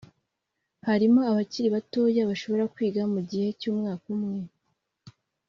harimo abakiri batoya bashobora kwiga mu gihe cy’umwaka umwe